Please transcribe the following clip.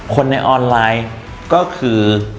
คนในออนไลน์ก็คือ